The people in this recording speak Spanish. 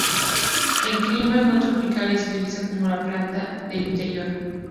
En climas no tropicales se utiliza como planta de interior.